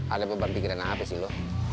ada beban pikiran apa sih lo